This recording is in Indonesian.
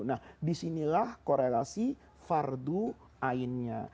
nah disinilah korelasi fardu'ainnya